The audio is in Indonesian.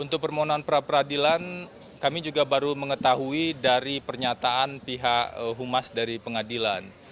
untuk permohonan pra peradilan kami juga baru mengetahui dari pernyataan pihak humas dari pengadilan